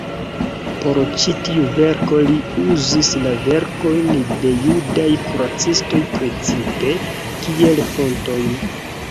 Por ĉi tiu verko li uzis la verkojn de judaj kuracistoj precipe kiel fontojn.